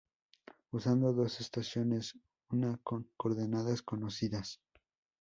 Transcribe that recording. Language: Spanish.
Usando dos estaciones, una con coordenadas conocidas.